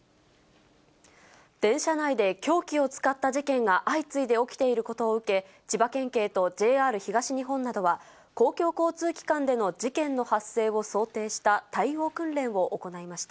電車内で凶器を使った事件が相次いで起きていることを受け、千葉県警とＪＲ東日本などは、公共交通機関での事件の発生を想定した対応訓練を行いました。